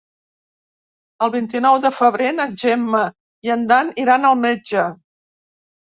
El vint-i-nou de febrer na Gemma i en Dan iran al metge.